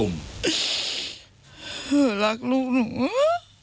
มีอะไร